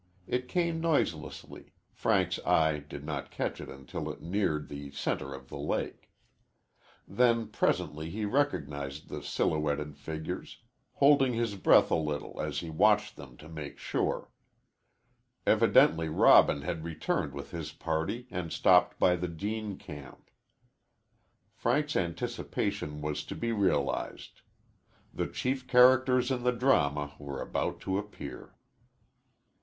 It came noiselessly. Frank's eye did not catch it until it neared the center of the lake. Then presently he recognized the silhoueted figures, holding his breath a little as he watched them to make sure. Evidently Robin had returned with his party and stopped by the Deane camp. Frank's anticipation was to be realized. The chief characters in the drama were about to appear.